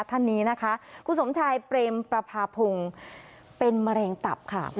ท่านนี้นะคะคุณสมชายเปรมประพาพงศ์เป็นมะเร็งตับค่ะ